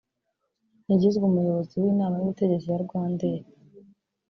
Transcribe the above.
yagizwe umuyobozi mushya w’inama y’ubutegetsi ya Rwandair